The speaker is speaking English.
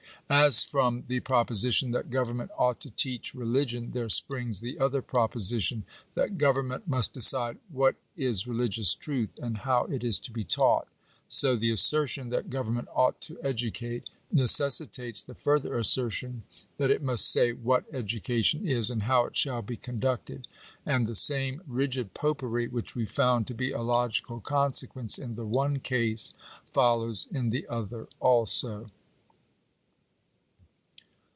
As from the proposition that government ought to teach religion, there springs the other proposition, that government must decide what is religious truth, and how it is to be taught; so, the assertion that government ought to educate, necessitates the further assertion that it must say what education is, and how it shall be conducted. And the same rigid popery, which we found to be a logical oonsequence in the one case (p. 807), follows in the othej also.